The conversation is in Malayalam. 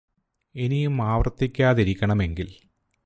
ഇനിയും ആവര്ത്തിക്കാതിരിക്കണമെങ്കില്